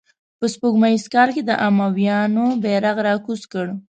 په سپوږمیز کال یې د امویانو بیرغ را کوز کړ.